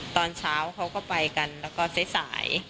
ตอนเช้าเขาก็ไปกันแล้วก็สาย